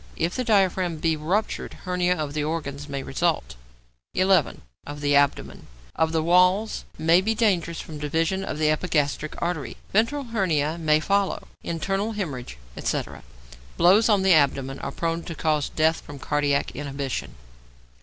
If the diaphragm be ruptured, hernia of the organs may result. 11. =Of the Abdomen.= Of the walls, may be dangerous from division of the epigastric artery; ventral hernia may follow, internal hæmorrhage, etc. Blows on the abdomen are prone to cause death from cardiac inhibition.